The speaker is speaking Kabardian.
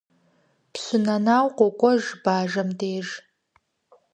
Пщы Нэнау къокӀуэж Бажэм деж.